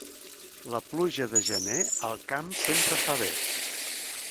La pluja de gener, al camp sempre fa bé.